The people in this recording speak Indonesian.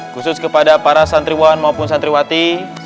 khusus kepada para santriwan maupun santriwati